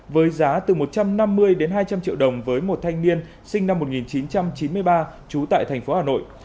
với giá từ một trăm năm mươi đến hai trăm linh triệu đồng với một thanh niên sinh năm một nghìn chín trăm chín mươi ba trú tại thành phố hà nội